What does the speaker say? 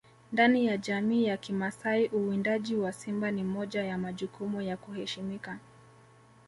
Ndani ya jamii ya kimasai uwindaji wa simba ni moja ya majukumu ya kuheshimika